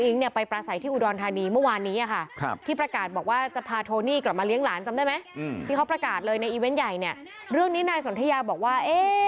ในนี้นายสนุกอย่าบอกว่า